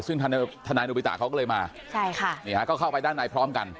ซึ่งท่านายนวิตะเขาก็เลยมาเห็นไหมด้านในพร้อมกัน